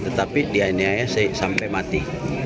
tetapi dia ini aja sampai mati